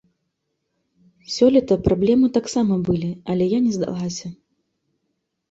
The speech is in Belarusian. Сёлета праблемы таксама былі, але я не здалася.